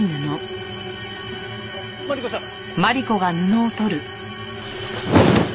マリコさん！